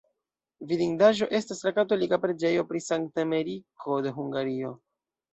Vidindaĵo estas la katolika preĝejo pri Sankta Emeriko de Hungario.